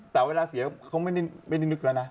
แต่เวลาเสียเขาไม่ได้นึกแล้วนะ